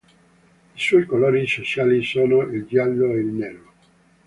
I suoi colori sociali sono il giallo e il nero.